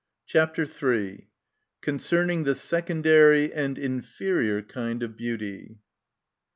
CHAPTER III. Concerning the Secondary and Inferior kind of Beauty.